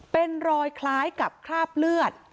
เป็นรอยคล้ายกับคราบเลือด